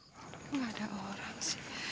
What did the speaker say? gak ada orang sih